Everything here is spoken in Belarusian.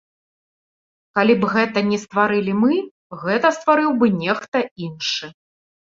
Калі б гэта не стварылі мы, гэта стварыў бы нехта іншы.